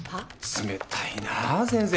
冷たいな先生。